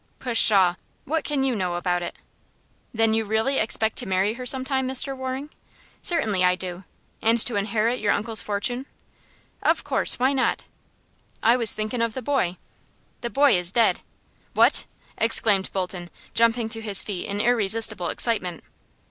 "Pshaw! what can you know about it?" "Then you really expect to marry her some time, Mr. Waring?" "Certainly I do." "And to inherit your uncle's fortune?" "Of course. Why not?" "I was thinkin' of the boy." "The boy is dead " "What!" exclaimed Bolton, jumping to his feet in irresistible excitement.